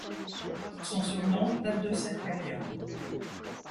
Son surnom date de cette période.